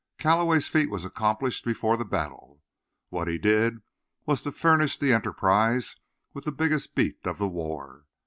Calloway's feat was accomplished before the battle. What he did was to furnish the Enterprise with the biggest beat of the war.